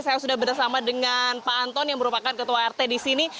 saya sudah bersama dengan pak anton yang merupakan ketua rt di sini